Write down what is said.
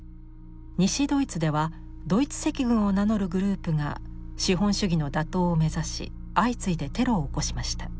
西ドイツではドイツ赤軍を名乗るグループが資本主義の打倒を目指し相次いでテロを起こしました。